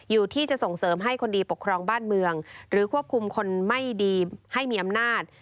อยู่ที่จะส่งเสริมให้คนดีปกครองบ้านเมืองหรือควบคุมคนไม่ดีให้มีอำนาจ